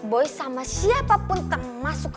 boy sama siapapun termasuk